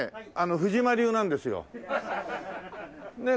藤間流なんですよ。ねえ。